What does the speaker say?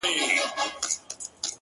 که آرام غواړې. د ژوند احترام وکړه.